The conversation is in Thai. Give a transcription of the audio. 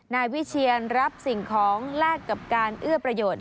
นายวิเชียนรับสิ่งของแลกกับการเอื้อประโยชน์